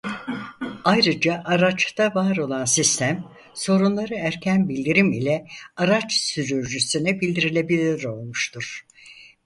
Ayrıca araçta var olan sistem sorunları erken bildirim ile araç sürücüsüne bildirilebilir olmuştur.